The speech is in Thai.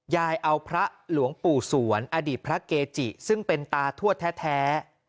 ยายเอาพระหลวงปู่สวนอดีตพระเกจิซึ่งเป็นตาทวดแท้